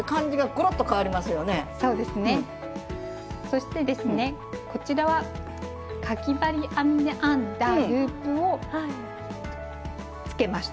そしてですねこちらはかぎ針編みで編んだループを付けました。